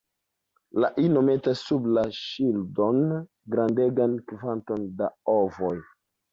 La ino metas sub la ŝildon grandegan kvanton da ovoj.